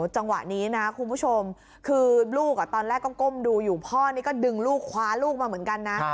จังหวะนี้นะคุณผู้ชมคือลูกตอนแรกก็ก้มดูอยู่พ่อนี่ก็ดึงลูกคว้าลูกมาเหมือนกันนะ